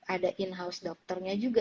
ada in house dokternya juga